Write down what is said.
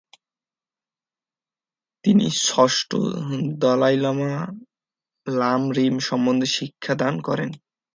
তিনি ষষ্ঠ দলাই লামাকে লাম-রিম সম্বন্ধে শিক্ষাদান করেন।